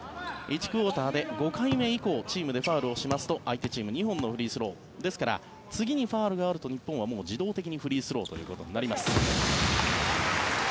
１クオーターで５回目以降チームでファウルをしますと相手チームに２本のフリースローですから、次にファウルがあると日本はもう自動的にフリースローということになります。